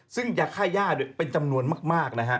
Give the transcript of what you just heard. ซึ่งยาฆ่าย่าด้วยเป็นจำนวนมาก